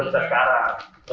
baru bisa sekarang